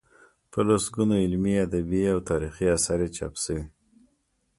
په لسګونو علمي، ادبي او تاریخي اثار یې چاپ شوي.